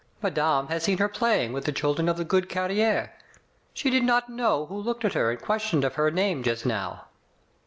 Madame has seen her playing with the children of the good carrier. She did not know who looked at her and questioned of her name just now.